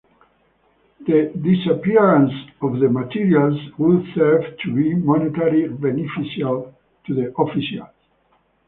The disappearance of the materials would serve to be monetarily beneficial to the officials.